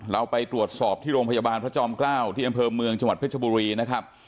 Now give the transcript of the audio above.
เราไปตรวจสอบที่โรงพยาบาลพระจอมเกล้าที่อำเภอเมืองจังหวัดเพชรบุรีนะครับ